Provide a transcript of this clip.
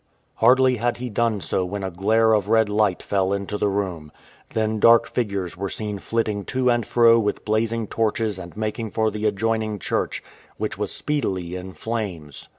Hardly had he done so when a glare of red light fell into the room. Then dark figures were seen flitting to and fro with blazing torches and making for the adjoin ing church, which was speedily in flames.